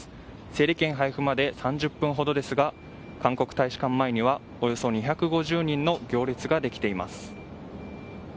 整理券配布まで３０分ほどですが韓国大使館前にはおよそ２５０人の行列ができています。